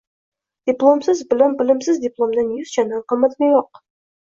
Diplomsiz bilim -bilimsiz diplomdan yuz chandon qiymatliroq.